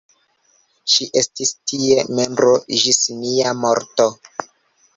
Ŝi estis tie membro ĝis sia morto.